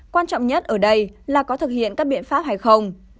quan trọng nhất ở đây là có thực hiện các biện pháp hay không